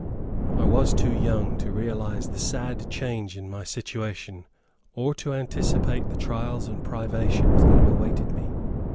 I was too young to realize the sad change in my situation, or to anticipate the trials and privations that awaited me.